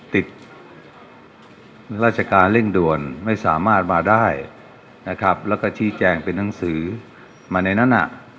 ติดราชการเร่งด่วนไม่สามารถมาได้นะครับแล้วก็ชี้แจงเป็นหนังสือมาในนั้นน่ะ